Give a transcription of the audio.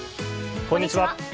こんにちは。